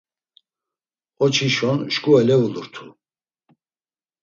“Oçişon şǩu elevulurtu.”